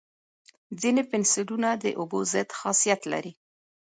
ځینې پنسلونه د اوبو ضد خاصیت لري.